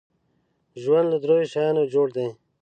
ژوند له دریو شیانو جوړ دی .